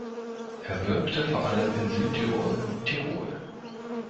Er wirkte vor allem in Südtirol und Tirol.